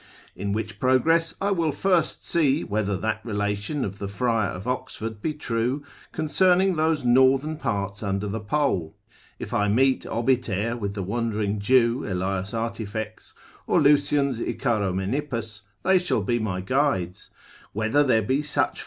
In which progress I will first see whether that relation of the friar of Oxford be true, concerning those northern parts under the pole (if I meet obiter with the wandering Jew, Elias Artifex, or Lucian's Icaromenippus, they shall be my guides) whether there be such 4.